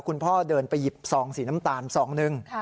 คุณพ่อเดินไปหยิบซองสีน้ำตาลซองหนึ่ง